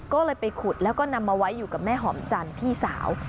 ก็เลยไปขุดแล้วก็นำมาไว้อยู่กับแม่หอมจันทร์พี่สาว